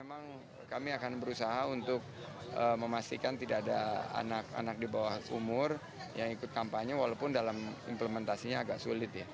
memang kami akan berusaha untuk memastikan tidak ada anak anak di bawah umur yang ikut kampanye walaupun dalam implementasinya agak sulit ya